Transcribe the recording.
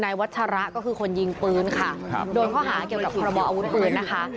วัชระก็คือคนยิงปืนค่ะครับโดนข้อหาเกี่ยวกับพรบออาวุธปืนนะคะ